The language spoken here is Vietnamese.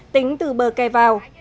tính từ bờ kè vào